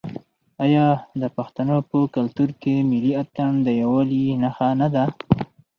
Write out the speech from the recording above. آیا د پښتنو په کلتور کې ملي اتن د یووالي نښه نه ده؟